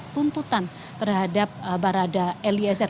tuntutan terhadap barada eliezer